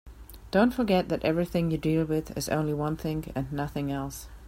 Don't forget that everything you deal with is only one thing and nothing else.